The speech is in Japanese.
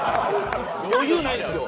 余裕ないんですよ。